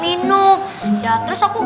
ini pas ya